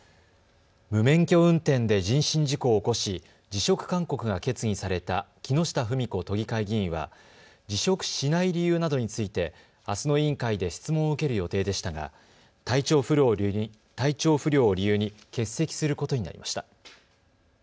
無免許運転で人身事故を起こし辞職勧告が決議された木下富美子都議会議員は辞職しない理由などについてあすの委員会で質問を受ける予定でしたが体調不良を理由に欠席することになりました。